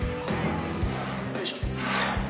よいしょ。